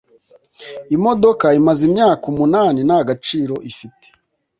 Imodoka imaze imyaka umunani nta gaciro ifite